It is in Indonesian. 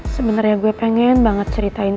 sebenarnya gue pengen banget ceritain